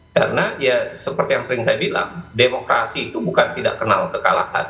karena ya seperti yang sering saya bilang demokrasi itu bukan tidak kenal kekalahan